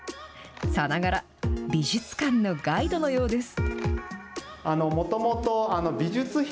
さながら、美術館のガイドのようです。